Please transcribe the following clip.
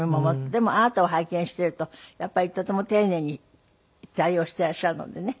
でもあなたを拝見しているとやっぱりとても丁寧に対応していらっしゃるのでね。